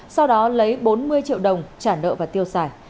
sau đó lấy bốn mươi triệu đồng trả nợ và tiêu xài